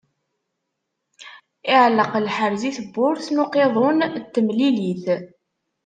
Iɛelleq lḥerz i tebburt n uqiḍun n temlilit.